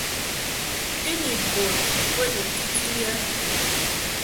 I ni bun bo ni ŋkiti i a.